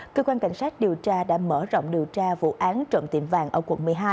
cơ quan cảnh sát điều tra đã mở rộng điều tra vụ án trộm tiệm vàng ở quận một mươi hai